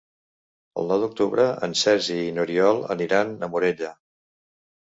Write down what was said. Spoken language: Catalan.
El nou d'octubre en Sergi i n'Oriol aniran a Morella.